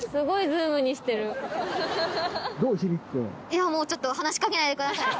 いやもうちょっと話しかけないでください。